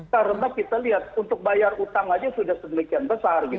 karena kita lihat untuk bayar utang aja sudah sedemikian besar